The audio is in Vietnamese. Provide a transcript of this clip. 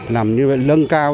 nằm như lân cao